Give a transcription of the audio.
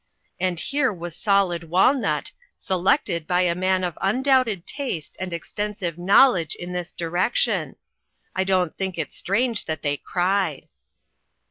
And here was solid walnut, selected by a man of undoubted taste and extensive knowl BUD AS A TEACHER. 3O/ edge in this direction. I don't think it strange that they cried